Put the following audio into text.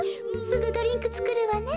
すぐドリンクつくるわね。